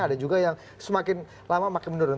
ada juga yang semakin lama makin menurun